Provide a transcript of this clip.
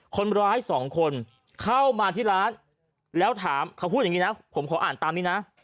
คนร้ายสองคนเข้ามาที่ร้านแล้วถามเขาพูดอย่างนี้นะผมขออ่านตามนี้นะ